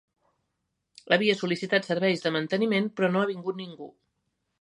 Havia sol·licitat serveis de manteniment, però no ha vingut ningú.